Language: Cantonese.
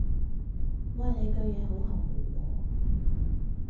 喂，你句嘢好含糊喎